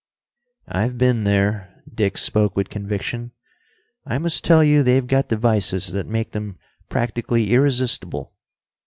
"I've been there." Dick spoke with conviction. "I must tell you they've got devices that make them practically irresistible.